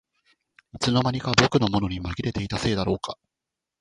いつの間にか僕のものにまぎれていたせいだろうか